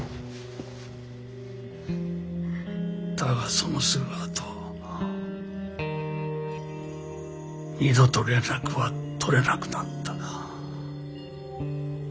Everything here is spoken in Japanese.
だがそのすぐあと二度と連絡は取れなくなった。